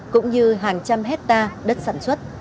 cũng như hàng trăm hectare đất sản xuất